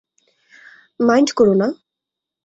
Mind কোরো না।